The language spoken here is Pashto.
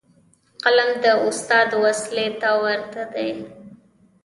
قلم د استاد وسلې ته ورته دی.